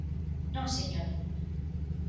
Non señor!